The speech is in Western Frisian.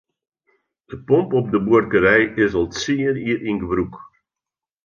De pomp op de buorkerij is al tsien jier yn gebrûk.